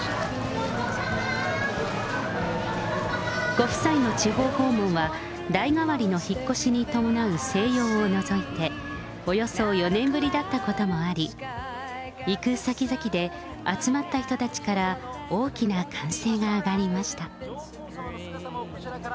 ご夫妻の地方訪問は代替わりの引っ越しに伴う静養を除いて、およそ４年ぶりだったこともあり、行く先々で、集まった人たちから、大きな歓声が上がりました。